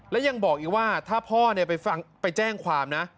และยังบอกอีกว่าถ้าพ่อไปแจ้งความนะ